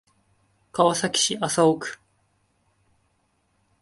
川崎市麻生区